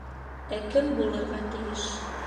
Ә кем булырға тейеш?